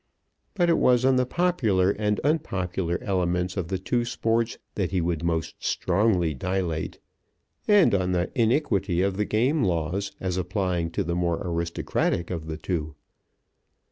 But it was on the popular and unpopular elements of the two sports that he would most strongly dilate, and on the iniquity of the game laws as applying to the more aristocratic of the two.